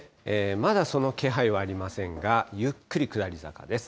まだその気配はありませんが、ゆっくり下り坂です。